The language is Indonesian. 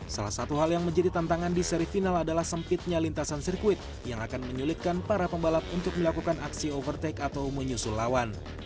salah satu hal yang menjadi tantangan di seri final adalah sempitnya lintasan sirkuit yang akan menyulitkan para pembalap untuk melakukan aksi overtack atau menyusul lawan